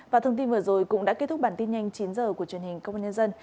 và thông tin vừa rồi cũng đã kết thúc bản tin nhanh chín h của truyền hình công an nhân dân